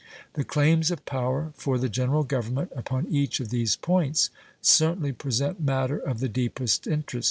The claims of power for the General Government upon each of these points certainly present matter of the deepest interest.